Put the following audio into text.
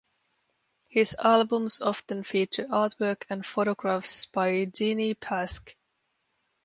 His albums often feature artwork and photographs by Jeannie Paske.